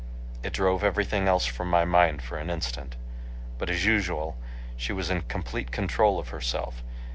It drove everything else from my mind for an instant. But as usual she was in complete control of herself.